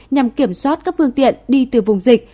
nhằm kiểm soát các phương tiện đi từ vùng dịch